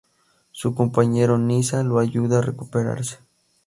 Su compañero, "Nyssa", lo ayuda a recuperarse.